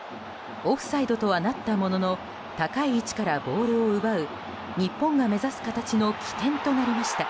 オフサイドとはなったものの高い位置からボールを奪う日本が目指す形の起点となりました。